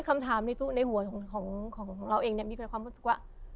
คำถามในหัวของเราเองเนี่ยมีความรู้สึกว่า